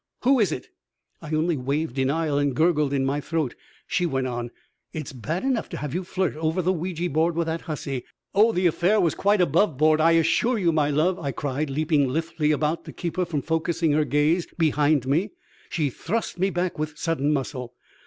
Who is it?" I only waved denial and gurgled in my throat. She went on, "It's bad enough to have you flirt over the Ouija board with that hussy " "Oh, the affair was quite above board, I assure you, my love!" I cried, leaping lithely about to keep her from focusing her gaze behind me. She thrust me back with sudden muscle.